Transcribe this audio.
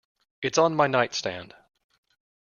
It's on my nightstand.